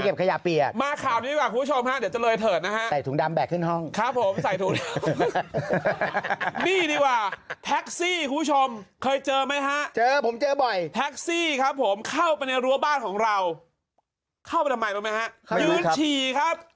เข้าไปในรั้วบ้านของเราเข้าไปทำไมล่ะมั้ยฮะยืนฉี่ครับ